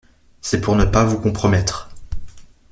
C’est pour ne pas vous compromettre !